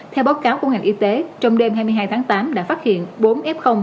theo báo cáo của ngành y tế trong đêm hai mươi hai tháng tám đã phát hiện bốn f